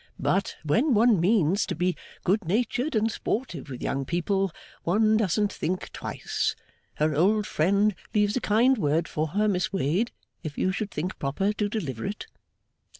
But, when one means to be good natured and sportive with young people, one doesn't think twice. Her old friend leaves a kind word for her, Miss Wade, if you should think proper to deliver it.